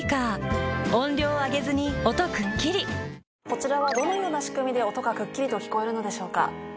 こちらはどのような仕組みで音がくっきりと聴こえるのでしょうか？